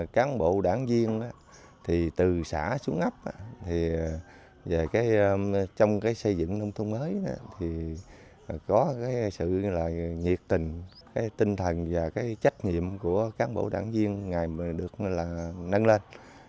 cái sự nhiệt tình tinh thần và trách nhiệm của cán bộ đảng viên ngày được nâng lên